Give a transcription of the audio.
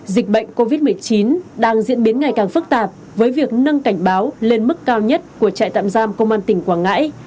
dịch bệnh covid một mươi chín đang diễn biến ngày càng phức tạp với việc nâng cảnh báo lên mức cao nhất của trại tạm giam công an tỉnh quảng ngãi